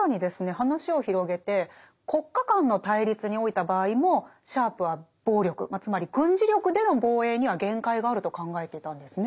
話を広げて国家間の対立においた場合もシャープは暴力つまり軍事力での防衛には限界があると考えていたんですね。